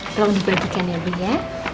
tolong dibagikan ya ibu ya